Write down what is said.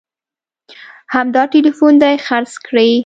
همدا ټلیفون دې خرڅ کړي